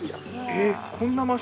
えっ！？